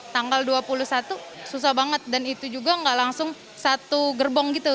tanggal dua puluh satu susah banget dan itu juga nggak langsung satu gerbong gitu